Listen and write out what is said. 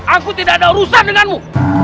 aku tidak ada urusan denganmu